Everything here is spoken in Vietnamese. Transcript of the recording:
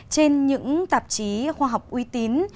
trên những tạp chí khoa học uy tín